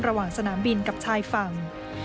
ระหว่างสนามบินกับชายฝั่ง